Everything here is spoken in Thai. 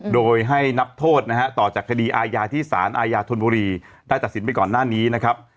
โดยให้นับโทษนะฮะต่อจากคดีอาญาที่สารอาญาธนบุรีได้ตัดสินไปก่อนหน้านี้นะครับ